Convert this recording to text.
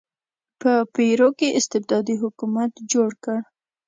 په پیرو کې استبدادي حکومت جوړ کړ.